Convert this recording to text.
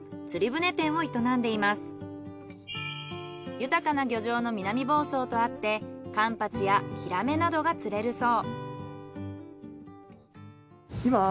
豊かな漁場の南房総とあってカンパチやヒラメなどが釣れるそう。